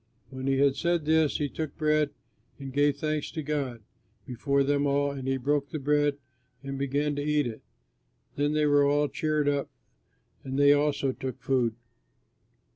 When he had said this, he took bread, and gave thanks to God before them all, and he broke the bread and began to eat it. Then they were all cheered up and they also took food.